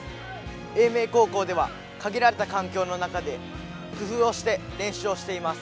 英明高校では限られた環境の中で工夫をして練習をしています。